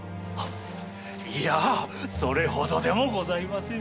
いやあそれほどでもございません。